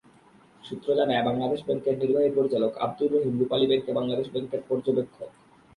সূত্র জানায়, বাংলাদেশ ব্যাংকের নির্বাহী পরিচালক আবদুর রহিম রুপালী ব্যাংকে বাংলাদেশ ব্যাংকের পর্যবেক্ষক।